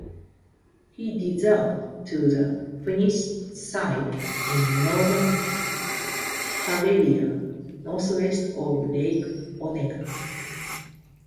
He deserted to the Finnish side in Northern Karelia, northwest of Lake Onega.